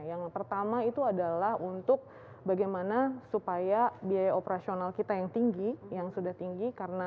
yang pertama itu adalah untuk bagaimana supaya biaya operasional kita yang tinggi yang sudah tinggi